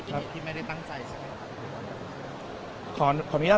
มันเป็นเหตุที่ไม่ได้ตั้งใจใช่ไหม